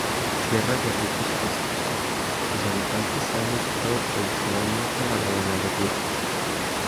Tierra de ricos pastos, sus habitantes se han dedicado tradicionalmente a la ganadería.